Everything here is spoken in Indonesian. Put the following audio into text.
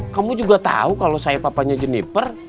kamu juga tahu kalau saya papanya jeeniper